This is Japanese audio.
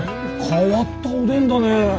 変わったおでんだね。